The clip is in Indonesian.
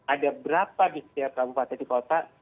ada berapa di setiap kabupaten di kota